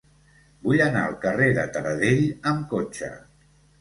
Vull anar al carrer de Taradell amb cotxe.